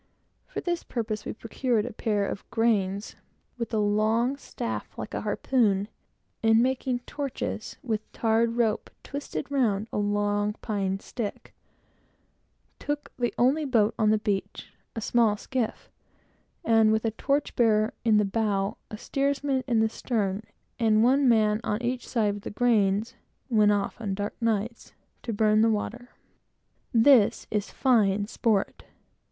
For this purpose, we procured a pair of grains, with a long staff like a harpoon, and making torches with tarred rope twisted round a long pine stick, took the only boat on the beach, a small skiff, and with a torch bearer in the bow, a steersman in the stern, and one man on each side with the grains, went off, on dark nights, to burn the water. This is fine sport.